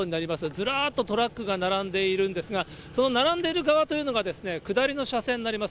ずらっとトラックが並んでいるんですが、その並んでいる側というのがですね、下りの車線になります。